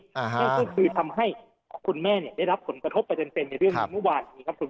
นะครับคือทำให้คุณแม่เนี่ยได้รับผลกระทบเป็นเต็มเพื่อเรื่องรึเปล่า